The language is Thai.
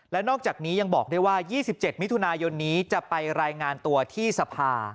และนอกจากนี้ยังบอกได้ว่า๒๗มิถุนายนนี้จะไปรายงานตัวที่สภา